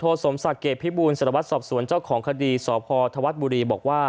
โทษสมสังเกตพี่บูรณ์สรวจสอบส่วนเจ้าของคดีสพธวัฒน์บุรีบอกว่า